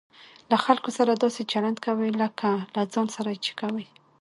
له خلکو سره داسي چلند کوئ؛ لکه له ځان سره چې کوى.